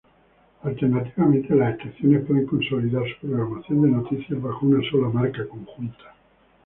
Alternativamente, las estaciones pueden consolidar su programación de noticias bajo una sola marca conjunta.